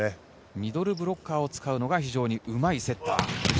ミドルブロッカーを使うのが非常にうまいセッター・藤井。